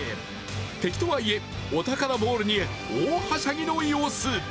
敵とはいえ、お宝ボールに大はしゃぎの様子。